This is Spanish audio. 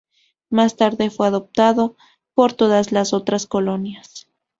Más tarde fue adoptado por todas las otras colonias.